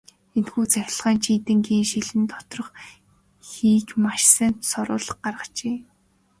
Энэхүү цахилгаан чийдэнгийн шилэн доторх хийг маш сайн соруулан гаргажээ.